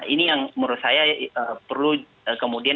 ini yang menurut saya perlu kemudian